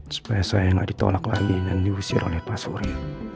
supaya saya nggak ditolak lagi dan diusir oleh pak surya